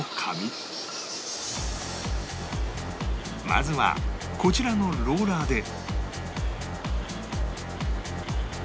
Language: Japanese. まずはこちらのローラーで